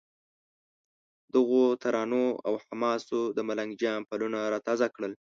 دغو ترانو او حماسو د ملنګ جان پلونه را تازه کړل.